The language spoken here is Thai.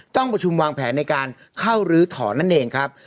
ต้องประชุมวางแผนในการเข้าลื้อถอนนั่นเองครับ